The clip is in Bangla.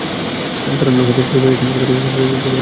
তাঁরা নওশাদের ছোট ভাই এরশাদকে বাড়ি থেকে বের করে এনে পেটাতে থাকেন।